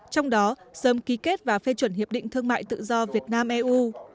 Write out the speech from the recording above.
trong đó sớm ký kết và phê chuẩn hiệp định thương mại tự do việt nam eu